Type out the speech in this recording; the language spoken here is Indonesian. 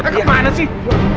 ke mana sih